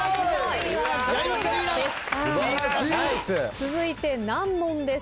続いて難問です。